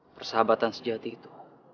persahabatan sejati itu